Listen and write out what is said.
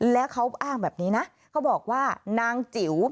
แล้วเขาอ้างแบบนี้นะเขาบอกว่านางจิ๋ว